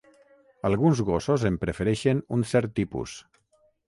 Alguns gossos en prefereixen un cert tipus.